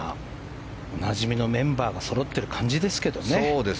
おなじみのメンバーがそろってる感じですけどね。